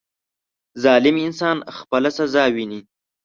• ظالم انسان خپله سزا ویني.